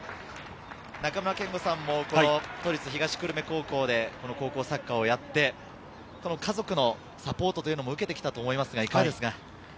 中村憲剛さんも都立東久留米高校で高校サッカーをやって家族のサポートというのも受けてきたと思いますが、いかがですか？